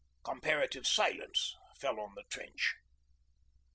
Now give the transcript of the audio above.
. comparative silence fell on the trench.